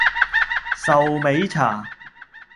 壽眉茶